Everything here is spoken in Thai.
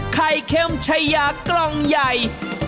ไข่เค็มชายากล่องใหญ่